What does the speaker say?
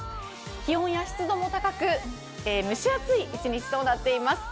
気温や湿度も高く蒸し暑い一日となっています。